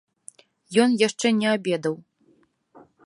Ён яшчэ не абедаў.